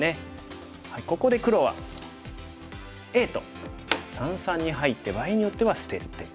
ここで黒はＡと三々に入って場合によっては捨てる手。